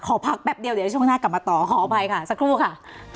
ขอพักแป๊บเดียวเดี๋ยวช่วงหน้ากลับมาต่อขออภัยค่ะสักครู่ค่ะ